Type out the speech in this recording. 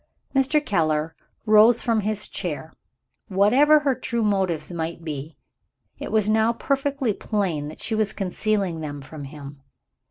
Mr. Keller rose from his chair. Whatever her true motives might be, it was now perfectly plain that she was concealing them from him.